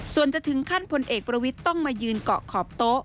ส่วนจะถึงขั้นพลเอกประวิทย์ต้องมายืนเกาะขอบโต๊ะ